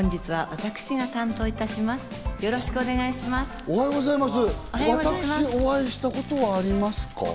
私、お会いしたことはありますか？